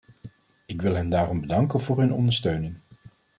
Ik wil hen daarom bedanken voor hun ondersteuning.